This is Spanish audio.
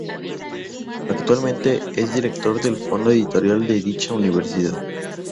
Actualmente, es director del fondo editorial de dicha universidad.